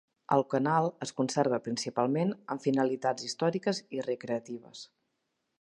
El canal es conserva principalment amb finalitats històriques i recreatives.